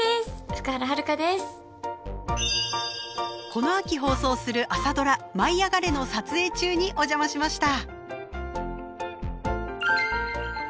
この秋放送する朝ドラ「舞いあがれ！」の撮影中にお邪魔しました。